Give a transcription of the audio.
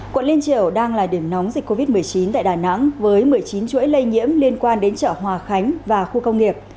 quận liên triều đang là điểm nóng dịch covid một mươi chín tại đà nẵng với một mươi chín chuỗi lây nhiễm liên quan đến chợ hòa khánh và khu công nghiệp